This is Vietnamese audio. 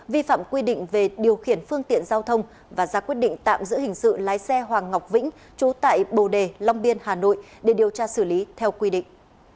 vi phạm quy định về điều khiển phương tiện giao thông và ra quyết định tạm giữ hình sự lái xe hoàng ngọc vĩnh trú tại bồ đề long biên hà nội để điều tra xử lý theo quy định